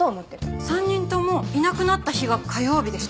３人ともいなくなった日が火曜日でした。